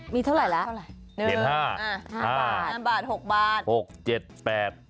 มีเท่าไหร่แล้ว